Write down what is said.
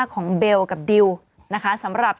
ของเบลกับดิวนะคะสำหรับ